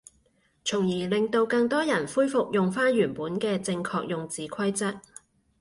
從而令到更多人恢復用返原本嘅正確用字規則